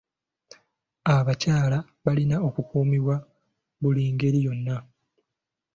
Abakyala balina okukuumibwa mu buli ngeri yonna.